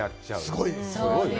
すごいね。